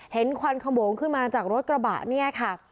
ควันขโมงขึ้นมาจากรถกระบะเนี่ยค่ะ